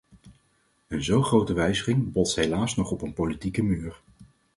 Een zo grote wijziging botst helaas nog op een politieke muur.